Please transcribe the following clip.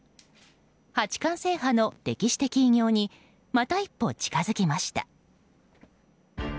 八冠制覇の歴史的偉業にまた一歩近づきました。